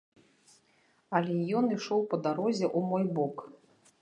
Але ён ішоў па дарозе ў мой бок.